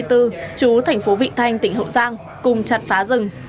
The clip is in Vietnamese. trú thành phố vị thanh tỉnh hậu giang cùng chặt phá rừng